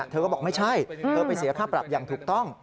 เธอก็บอกไม่ใช่เธอไปเสียค่าปรับอย่างถูกต้อง